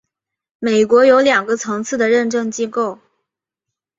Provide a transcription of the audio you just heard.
美国有两个层次的认证机构。